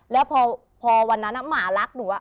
แล้วพอวันนั้นหมารักหนู